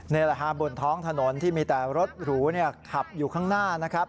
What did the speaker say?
นี่แหละฮะบนท้องถนนที่มีแต่รถหรูขับอยู่ข้างหน้านะครับ